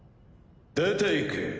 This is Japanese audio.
出ていけ。